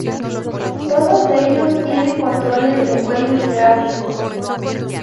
Todos ellos tienen controles de cuello hidráulicos.